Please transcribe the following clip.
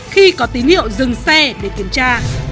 khi có tín hiệu dừng xe để kiểm tra